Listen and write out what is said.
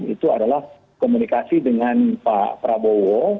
itu adalah komunikasi dengan pak prabowo